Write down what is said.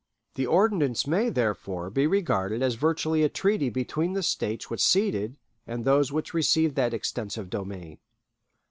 The Ordinance may, therefore, be regarded as virtually a treaty between the States which ceded and those which received that extensive domain.